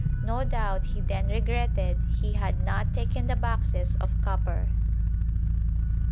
No doubt he then regretted he had not taken the boxes of copper.